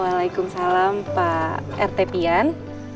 waalaikumsalam pak rtpian